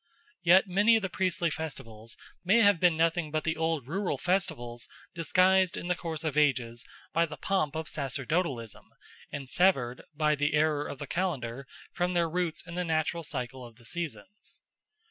Yet many of the priestly festivals may have been nothing but the old rural festivals disguised in the course of ages by the pomp of sacerdotalism and severed, by the error of the calendar, from their roots in the natural cycle of the seasons.